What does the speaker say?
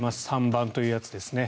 バンというやつですね。